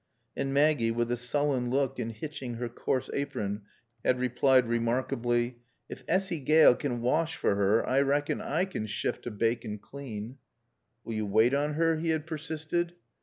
And Maggie, with a sullen look and hitching her coarse apron, had replied remarkably: "Ef Assy Gaale can wash fer er I rackon I can shift to baake an' clane." "Wull yo' waait on 'er?" he had persisted.